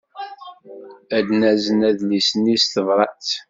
Ad nazen adlis-nni s tebṛat.